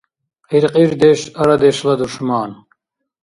Кьиркьирдеш — арадешла душман.